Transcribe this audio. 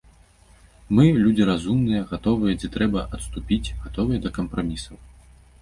Мы людзі разумныя, гатовыя, дзе трэба, адступіць, гатовыя да кампрамісаў.